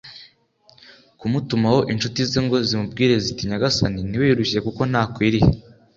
kumutumaho incuti ze ngo zimubwire ziti nyagasani ntiwirushye kuko ntakwiriye